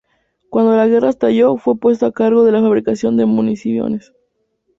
Cuando la guerra estalló fue puesto a cargo de la fabricación de municiones.